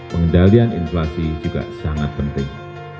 pengendalian inflasi juga sangat penting